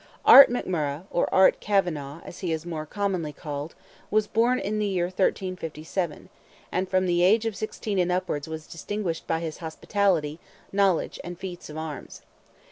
Art McMurrogh, or Art Kavanagh, as he is more commonly called, was born in the year 1357, and from the age of sixteen and upwards was distinguished by his hospitality, knowledge, and feats of arms.